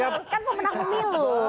kan mau menang pemilu